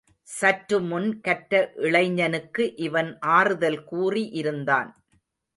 சற்றுமுன் கற்ற இளைஞனுக்கு இவன் ஆறுதல் கூறி இருந்தான்.